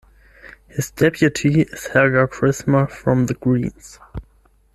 His deputy is Helga Krismer from the Greens.